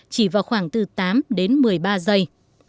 chỉ vào khoảng từ tám đến một mươi ba giây